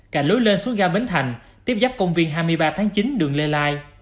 cạnh lối lên xuống ga bến thành tiếp dắp công viên hai mươi ba chín đường lê lai